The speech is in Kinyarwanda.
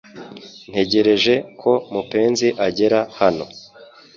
Ntegereje ko mupenzi agera hano